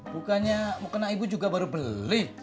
bukannya mukena ibu juga baru beli